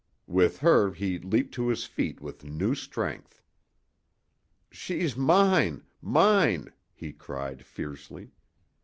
With her he leaped to his feet with new strength. "She's mine mine!" he cried, fiercely.